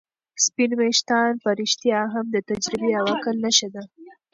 سپین ويښتان په رښتیا هم د تجربې او عقل نښه ده.